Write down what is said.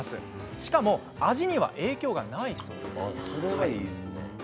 しかも味には影響がないのだそう。